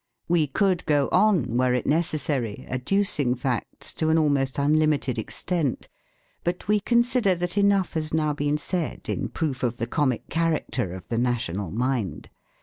We could go on, were it necessary, adducing facts to an al most unlimited extent; but we consider that enough has now been said in proof of the comic character of the national mind.